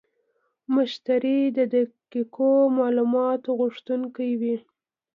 مشتری د دقیقو معلوماتو غوښتونکی وي.